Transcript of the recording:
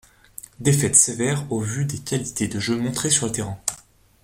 Défaite sevère au vu des qualités de jeu montrées sur le terrain.